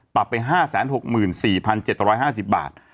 ปรับไป๕๖๔๗๕๐บาท